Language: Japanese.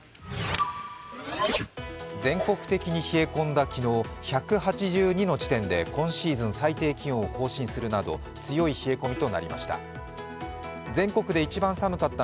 全国的に冷え込んだ昨日、１８２の地点で今シーズン最低気温を更新するなど強い冷え込みとなりました。